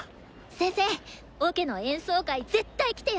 先生オケの演奏会絶対来てよね！